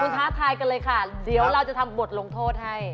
ท้าทายกันเลยค่ะเดี๋ยวเราจะทำบทลงโทษให้